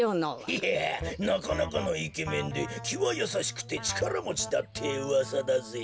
いやなかなかのイケメンできはやさしくてちからもちだってうわさだぜ。